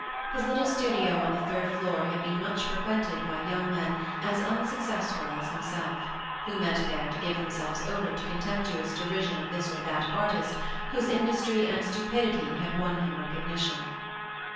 His little studio on the third floor had been much frequented by young men as unsuccessful as himself, who met there to give themselves over to contemptuous derision of this or that artist whose industry and stupidity had won him recognition.